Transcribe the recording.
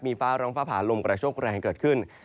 ฟ้าร้องฟ้าผ่าลมกระโชคแรงเกิดขึ้น